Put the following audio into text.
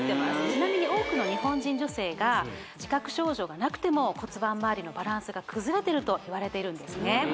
ちなみに多くの日本人女性が自覚症状がなくても骨盤周りのバランスが崩れてるといわれているんですね